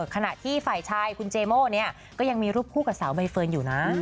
ขนาดที่ฝ่ายชายคุณเจโม้เนี่ยก็ยังมีรูปคู่ไบเฟิร์นอยู่นะ